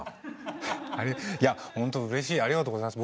いやほんとうれしいありがとうございます。